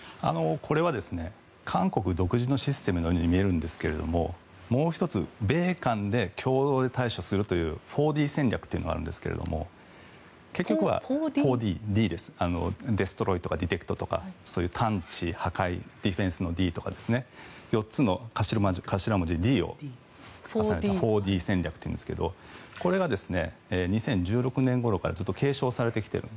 これは韓国独自のシステムのように見えるんですけどももう１つ米韓で共同で対処するという４Ｄ戦略というのがあるんですけど４Ｄデストロイとかディテクトとか探知、破壊ディフェンスのＤとか４つの頭文字Ｄを重ねた４Ｄ戦略というんですがこれが２０１６年ごろから継続されてきている。